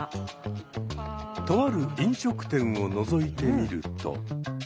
とある飲食店をのぞいてみると。